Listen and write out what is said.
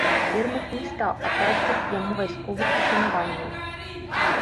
Вермахт не стаў аказваць яму вайсковых ушанаванняў.